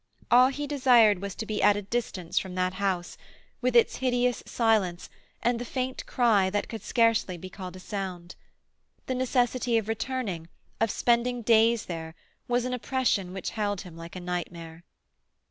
All he desired was to be at a distance from that house, with its hideous silence and the faint cry that could scarcely be called a sound. The necessity of returning, of spending days there, was an oppression which held him like a nightmare.